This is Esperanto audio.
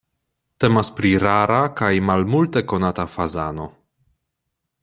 Temas pri rara kaj malmulte konata fazano.